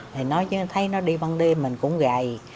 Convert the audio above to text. thì nói chứ thấy nó đi ban đêm mình cũng gầy